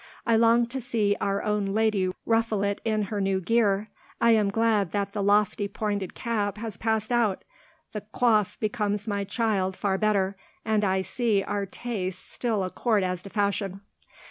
"I long to see our own lady ruffle it in her new gear. I am glad that the lofty pointed cap has passed out; the coif becomes my child far better, and I see our tastes still accord as to fashion."